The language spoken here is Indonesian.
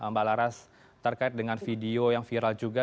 mbak laras terkait dengan video yang viral juga